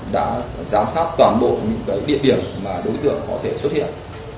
đã giám sát toàn bộ những địa điểm mà đối tượng có thể xuất hiện